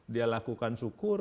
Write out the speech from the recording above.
dia lakukan syukur